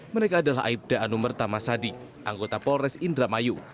mereka adalah aibda anumerta masadi anggota polres indra mayu